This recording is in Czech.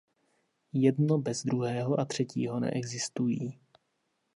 Jedno bez druhého a třetího neexistují.